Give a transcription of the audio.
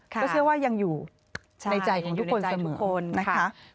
ก็เชื่อว่ายังอยู่ในใจของทุกคนเสมอนะคะ